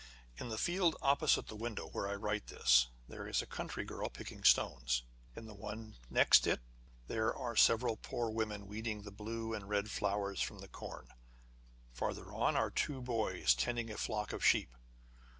In the field opposite the window where I write this, there is a country girl picking stones : in the one next it, there are several poor women weeding the blue and red flowers from the corn : farther on, are two boys, tending a flock of sheep.